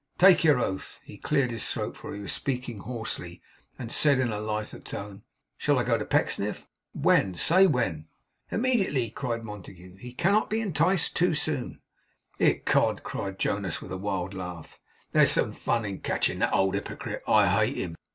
Take your oath!' He cleared his throat, for he was speaking hoarsely and said in a lighter tone: 'Shall I go to Pecksniff? When? Say when!' 'Immediately!' cried Montague. 'He cannot be enticed too soon.' 'Ecod!' cried Jonas, with a wild laugh. 'There's some fun in catching that old hypocrite. I hate him.